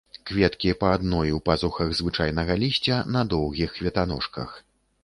Кветкі па адной у пазухах звычайнага лісця, на доўгіх кветаножках.